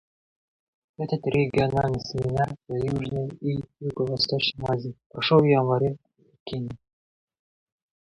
Этот региональный семинар для Южной и Юго-Восточной Азии прошел в январе в Пекине.